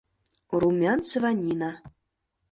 Румянцева Нина.